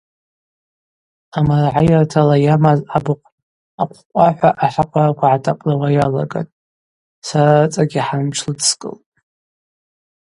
Амарагӏайыртала йамаз абыхъв акъв-къва – хӏва ахӏакъвараква гӏатапӏлауа йалагатӏ, сара рыцӏагьи хӏан тшлыдскӏылтӏ.